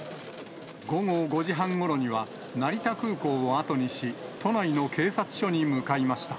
午後５時半ごろには、成田空港を後にし、都内の警察署に向かいました。